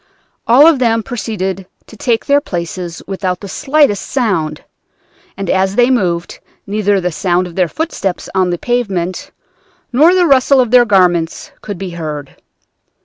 All of them proceeded to take their places without the slightest sound, and as they moved neither the sound of their footsteps on the pavement, nor the rustle of their garments could be heard.